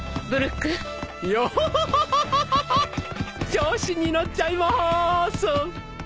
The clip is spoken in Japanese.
調子に乗っちゃいまーす！